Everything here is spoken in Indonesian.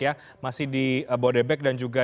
ya masih di bodebek dan juga